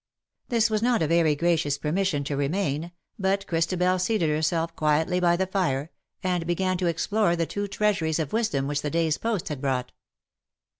This was not a very gracious permission to re main, but Christabel seated herself quietly by the fire, and began to explore the two treasuries of wisdom which the day's post had brought.